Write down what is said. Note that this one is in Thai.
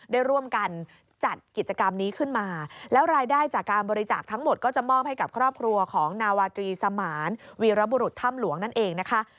ได้ร่วมกันจัดกิจกรรมนี้ขึ้นมาแล้วรายได้จากการบริจาคทั้งหมดก็จะมอบให้กับครอบครัวของนาวาตรีสมานวีรบุรุษถ้ำหลวงนั่นเองนะคะ